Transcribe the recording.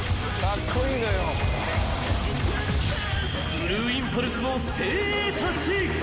［ブルーインパルスの精鋭たち］